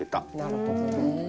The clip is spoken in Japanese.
なるほどね。